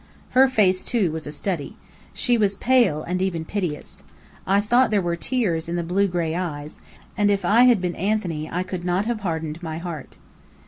Her face, too, was a study. She was pale and even piteous. I thought there were tears in the blue gray eyes; and if I had been Anthony I could not have hardened my heart.